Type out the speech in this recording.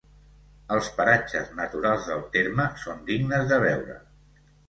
Els paratges naturals del terme són dignes de veure.